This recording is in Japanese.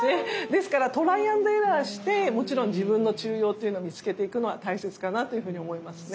ですからトライアンドエラーしてもちろん自分の中庸っていうのを見つけていくのは大切かなというふうに思いますね。